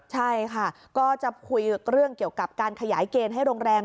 ใช่ค่ะก็จะคุยเรื่องเกี่ยวกับการขยายเกณฑ์ให้โรงแรม